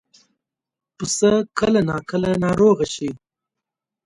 پسه کله ناکله ناروغه شي.